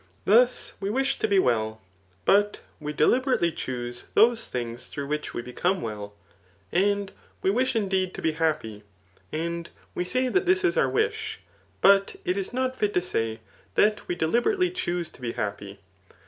Thus, we wish to be well, but we delibf^ra^e^ choose those things through which we become well} a|a4 v(e wish indeed to be happy, and we say that this ia om|; wish ; but it is not fit to say, that we deliberately choooK to be happy.